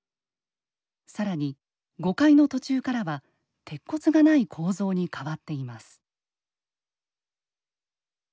さらに５階の途中からは鉄骨がない構造に変わっています。